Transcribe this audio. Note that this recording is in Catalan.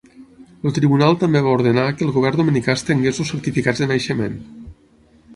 El tribunal també va ordenar que el govern dominicà estengués els certificats de naixement.